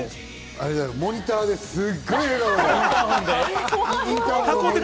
モニターで、すごい笑顔で。